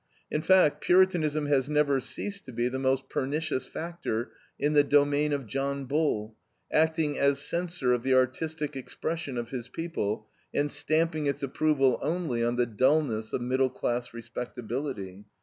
In fact, Puritanism has never ceased to be the most pernicious factor in the domain of John Bull, acting as censor of the artistic expression of his people, and stamping its approval only on the dullness of middle class respectability.